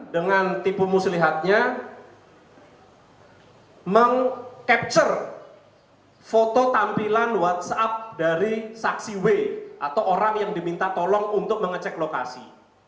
dengan tipu muslihatnya meng capture foto tampilan whatsapp dari saksi w atau orang yang diminta tolong untuk mengecek lokasi